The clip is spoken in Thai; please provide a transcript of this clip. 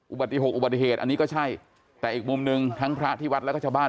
อุบัติหกอุบัติเหตุอันนี้ก็ใช่แต่อีกมุม๑ทั้งพระที่วัดและเฉพาะบ้าน